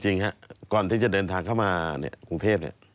จริงครับก่อนที่จะเดินทางเข้ามากรุงเทพเนี่ย